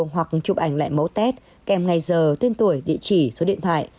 hoặc chụp ảnh lại mẫu test kèm ngày giờ tuyên tuổi địa chỉ số điện thoại